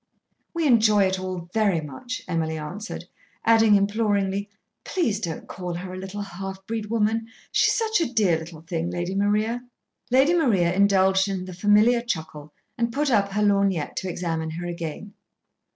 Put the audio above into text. "We enjoy it all very much," Emily answered, adding imploringly, "please don't call her a little half breed woman. She's such a dear little thing, Lady Maria." Lady Maria indulged in the familiar chuckle and put up her lorgnette to examine her again.